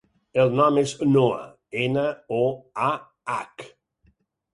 El nom és Noah: ena, o, a, hac.